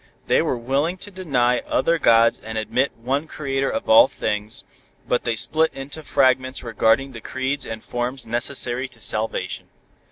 They were willing to deny other gods and admit one Creator of all things, but they split into fragments regarding the creeds and forms necessary to salvation.